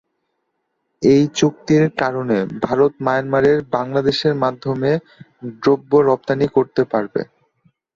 এই চুক্তির কারণে ভারত মায়ানমারে বাংলাদেশের মাধ্যমে দ্রব্য রপ্তানী করতে পারবে।